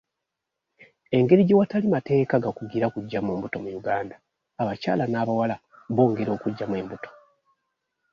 Engeri gye watali mateeka gakugira kuggyamu mbuto mu Uganda, abakyala n'abawala bongera okuggyamu embuto.